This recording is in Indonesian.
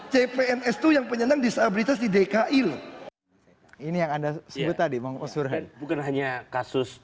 cpns itu yang penyandang disabilitas di dki loh ini yang anda sebut tadi mengusurhan bukan hanya kasus